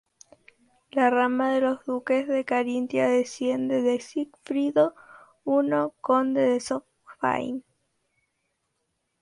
La rama de los Duques de Carintia desciende de Sigfrido I, Conde de Sponheim.